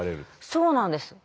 そうなんです。